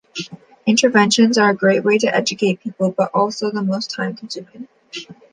Interventions are a great way to educate people, but also the most time consuming.